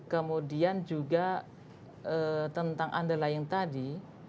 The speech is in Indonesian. kemudian juga tentang underlying tadi